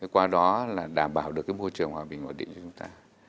qua đó là đảm bảo được môi trường hòa bình ổn định cho chúng ta